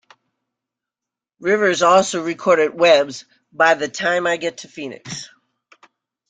Rivers also recorded Webb's "By the Time I Get to Phoenix".